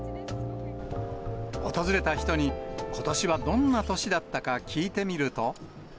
訪れた人に、ことしはどんな年だったか聞いてみると。